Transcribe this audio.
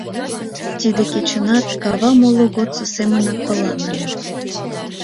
Тиде кечынат кава моло годсо семынак пылан ыле.